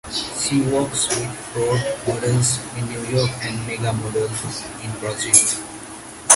She works with Ford Models in New York and Mega Model in Brazil.